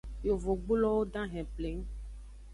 Yovogbulowo dahen pleng.